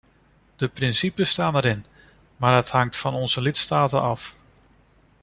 De principes staan erin, maar het hangt van onze lidstaten af.